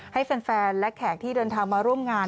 ให้แฟนและแขกที่เดินทางมาร่วมงาน